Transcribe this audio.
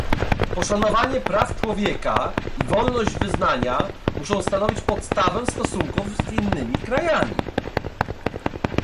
Poszanowanie praw człowieka i wolność wyznania muszą stanowić podstawę stosunków z innymi krajami